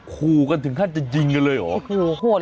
ครูกันถึงห้าดจะยิงเลยเหรอ